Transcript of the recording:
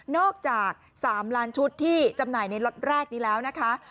จาก๓ล้านชุดที่จำหน่ายในล็อตแรกนี้แล้วนะคะ